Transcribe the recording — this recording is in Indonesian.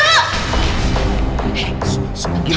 eh tunggu dulu